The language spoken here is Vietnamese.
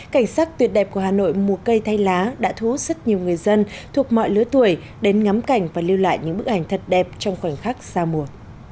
cảnh sắc tuyệt đẹp của hà nội mùa cây thay lá đã thu hút rất nhiều người dân thuộc mọi lứa tuổi đến ngắm cảnh và lưu lại những bức ảnh thật đẹp trong khoảnh khắc giao mùa